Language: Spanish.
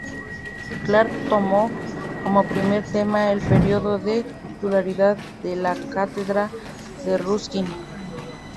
Clark tomó como primer tema el periodo de titularidad de la Cátedra de Ruskin.